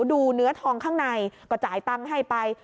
ดูเนื้อทองข้างในก็จ่ายตังค์ให้ไป